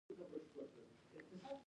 انفکاک څه وخت اعلانیږي؟